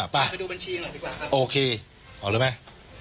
ไปดูบัญชีหน่อยดีกว่าครับโอเคอ๋อรู้ไหม